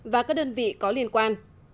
và các đơn vị có liên quan